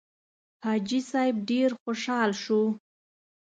حاجي صیب ډېر خوشاله شو.